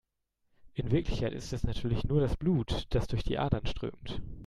In Wirklichkeit ist es natürlich nur das Blut, das durch die Adern strömt.